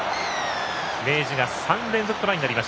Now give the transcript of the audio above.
明治が３連続トライ。